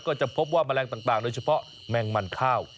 ก็จะพบว่าแมลงต่างโดยเฉพาะแมงมันข้าว